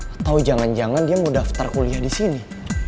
atau jangan jangan dia mau daftar kuliah disini